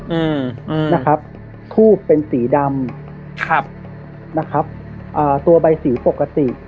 อืมนะครับทูบเป็นสีดำครับนะครับอ่าตัวใบสีปกติ